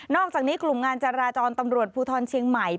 อกจากนี้กลุ่มงานจราจรตำรวจภูทรเชียงใหม่